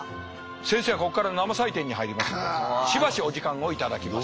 先生はここから生採点に入りますのでしばしお時間を頂きます。